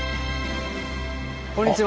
こんにちは。